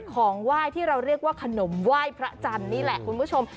ของไหว้ที่เราเรียกว่าขนมไหว้พระจันทร์นี่แหละคุณผู้ชม